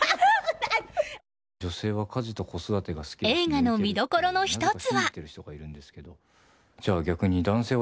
映画の見どころの１つは。